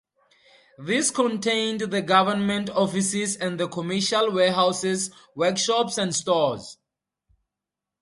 This contained the government offices and the commercial warehouses, workshops and stores.